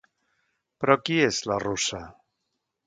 Però qui és la russa?